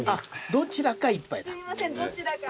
どちらか１杯か。